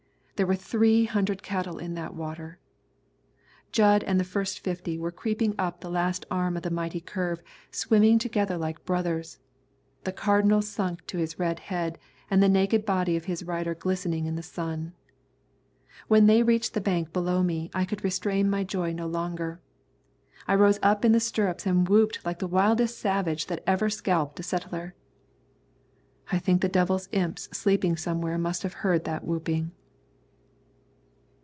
There were three hundred cattle in that water. Jud and the first fifty were creeping up the last arm of the mighty curve, swimming together like brothers, the Cardinal sunk to his red head, and the naked body of his rider glistening in the sun. When they reached the bank below me, I could restrain my joy no longer. I rose in the stirrups and whooped like the wildest savage that ever scalped a settler. I think the devil's imps sleeping somewhere must have heard that whooping.